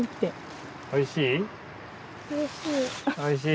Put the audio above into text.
おいしい？